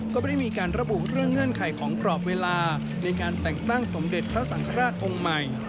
ก็ไม่ได้มีการระบุเรื่องเงื่อนไขของกรอบเวลาในการแต่งตั้งสมเด็จพระสังฆราชองค์ใหม่